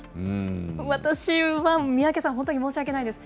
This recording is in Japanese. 私は三宅さん、本当に申し訳ないです。